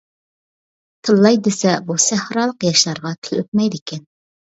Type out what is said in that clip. تىللاي دېسە، بۇ سەھرالىق ياشلارغا تىل ئۆتمەيدىكەن.